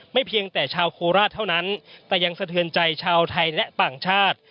เพียงแต่ชาวโคราชเท่านั้นแต่ยังสะเทือนใจชาวไทยและต่างชาติ